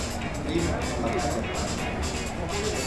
Prim com la canya de la doctrina.